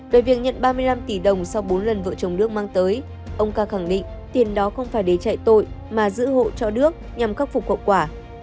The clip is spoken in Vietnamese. về việc nhận ba mươi năm tỷ đồng sau bốn lần vợ chồng đức mang tới ông ca khẳng định tiền đó không phải để chạy tội mà giữ hộ cho đước nhằm khắc phục hậu quả